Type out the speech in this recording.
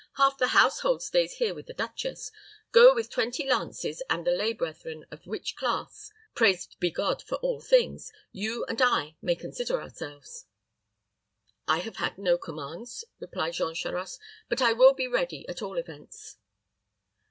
Half the household stays here with the duchess. We go with twenty lances and the lay brethren, of which class praised be God for all things! you and I may consider ourselves." "I have had no commands," replied Jean Charost; "but I will be ready, at all events."